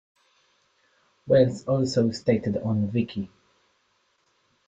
Wells also stated on Vicki!